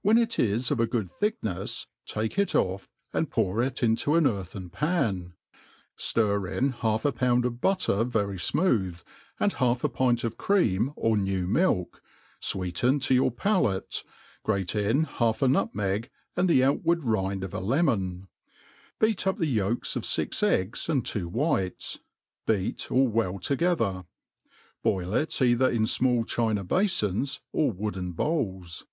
When it is of a good thickneifs, take it off, and pour it into an earjthen pan |& in half a pdund of butter very fmooth, and half a pint of cream or new rajlk, fweeteo to your palafie, grate in half a nutmeg aa^l the outward rind of a lemon* Beat up the yolks of fix eggs •and two whites, beat all well together ; boil it either in fmall china bafons or wooden bowJs.